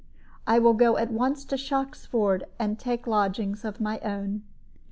I will go at once to Shoxford, and take lodgings of my own."